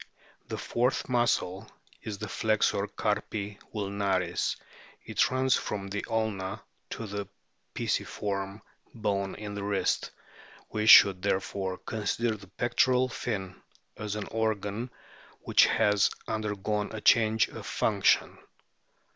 The fourth muscle is the flexor carpi ulnaris ; it runs from the ulna to the pisiform bone in the wrist. We should, therefore, consider the pectoral fin as an organ which has under gone a change of function.